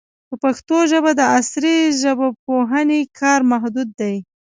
په پښتو ژبه د عصري ژبپوهنې کار محدود دی.